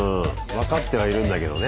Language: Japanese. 分かってはいるんだけどね。